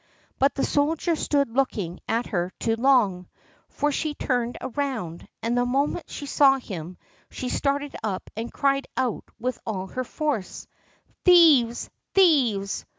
But the soldier stood looking at her too long; for she turned around, and the moment she saw him she started up and cried out with all her force, "Thieves! thieves!"